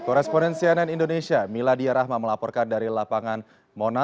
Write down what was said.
koresponen cnn indonesia miladia rahma melaporkan dari lapangan monas